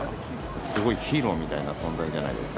すごいヒーローみたいな存在じゃないですか。